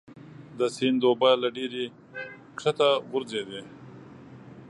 د سیند اوبه له ډبرې ښکته غورځېدې.